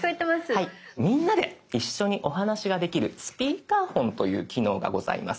みんなで一緒にお話ができる「スピーカーフォン」という機能がございます。